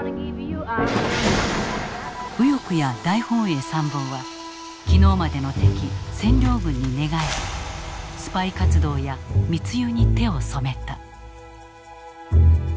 右翼や大本営参謀は昨日までの敵占領軍に寝返りスパイ活動や密輸に手を染めた。